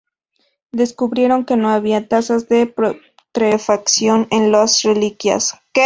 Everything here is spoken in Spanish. Descubrieron que no había trazas de putrefacción en las reliquias.